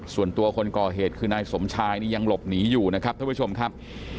ส่วนตัวคนก่อเหตุคือนายสมชายนี่ยังหลบหนีอยู่นะครับท่านผู้ชมครับ